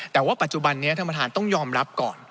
แต่ว่าปัจจุบันนี้ท่านประธานต้องยอมรับก่อน